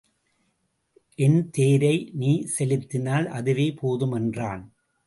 என் தேரை நீ செலுத்தினால் அதுவே போதும் என்றான்.